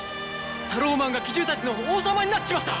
タローマンが奇獣たちの王様になっちまった！